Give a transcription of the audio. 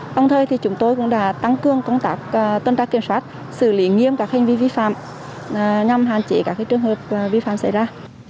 đồng thời chúng tôi cũng đã tăng cường công tác tuần tra kiểm soát xử lý nghiêm các hành vi vi phạm nhằm hạn chế các trường hợp vi phạm xảy ra